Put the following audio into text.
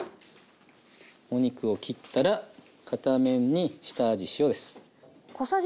お肉を切ったら片面に下味塩です。